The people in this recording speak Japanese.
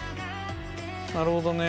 なるほどね。